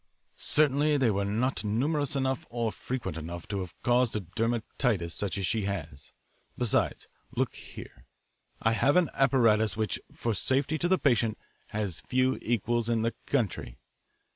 Certainly they were not numerous enough or frequent enough to have caused a dermatitis such as she has. Besides, look here. I have an apparatus which, for safety to the patient, has few equals in the country.